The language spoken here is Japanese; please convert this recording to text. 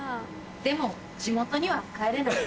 でも地元には帰れない。